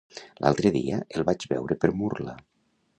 L'altre dia el vaig veure per Murla.